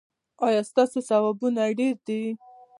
ایا ستاسو ثوابونه ډیر دي؟